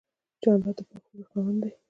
جانداد د پاک فکر خاوند دی.